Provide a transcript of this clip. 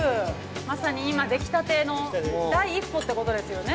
まさに今できたての第一歩ってことですよね。